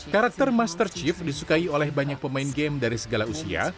karakter master chief disukai oleh banyak pemain game dari segala usia